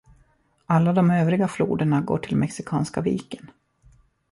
Alla de övriga floderna går till Mexikanska viken.